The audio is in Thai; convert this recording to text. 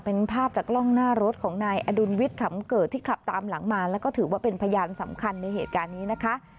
เป็นภาพจากกล้องหน้ารถของนายอดุลวิทย์ขำเกิดที่ขับตามหลังมาแล้วก็ถือว่าเป็นพยานสำคัญในเหตุการณ์นี้นะคะ